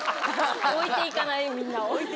置いていかないみんなを。